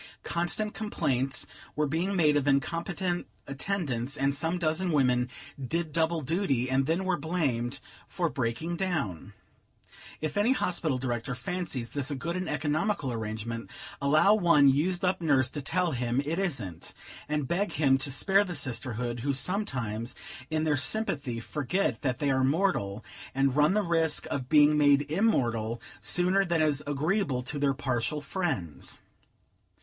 Constant complaints were being made of incompetent attendants, and some dozen women did double duty, and then were blamed for breaking down. If any hospital director fancies this a good and economical arrangement, allow one used up nurse to tell him it isn't, and beg him to spare the sisterhood, who sometimes, in their sympathy, forget that they are mortal, and run the risk of being made immortal, sooner than is agreeable to their partial friends.